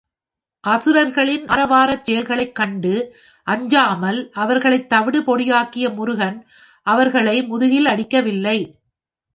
அசுரர்களின் ஆரவாரச் செயல்களைக் கண்டு அஞ்சாமல் அவர்களைத் தவிடு பொடியாக்கிய முருகன் அவர்களை முதுகில் அடிக்கவில்லை.